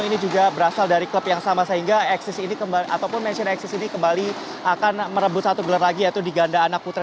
ini juga berasal dari klub yang sama sehingga exis ini kembali ataupun mansion exis ini kembali akan merebut satu gelar lagi yaitu di gandana putra